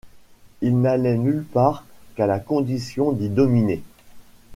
Il n’allait nulle part qu’à la condition d’y dominer.